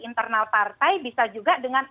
internal partai bisa juga dengan